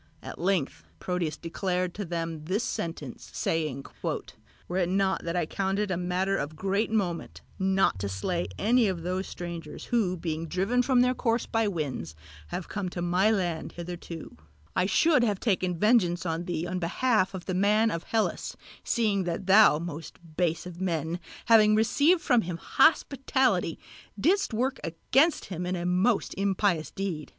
At length Proteus declared to them this sentence, saying, "Were it not that I count it a matter of great moment not to slay any of those strangers who being driven from their course by winds have come to my land hitherto, I should have taken vengeance on thee on behalf of the man of Hellas, seeing that thou, most base of men, having received from him hospitality, didst work against him a most impious deed.